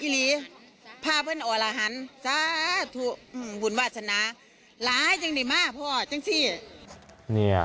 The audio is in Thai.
อีหลีพ่อเพื่อนอ่อละหันสาธุบุญวาสนาหลายจังได้มากพ่อจังสิ